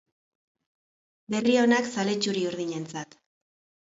Berri onak zale txuri-urdinentzat.